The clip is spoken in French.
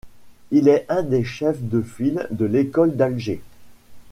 Il est un des chefs de file de l'École d'Alger.